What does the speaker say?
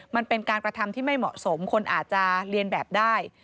มันเป็นการกระทำที่ไม่เหมาะสมคนอาจจะเรียนแบบได้